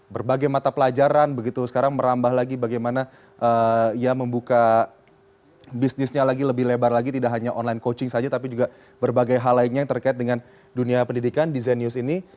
berbagai mata pelajaran begitu sekarang merambah lagi bagaimana ya membuka bisnisnya lagi lebih lebar lagi tidak hanya online coaching saja tapi juga berbagai hal lainnya yang terkait dengan dunia pendidikan di zenius ini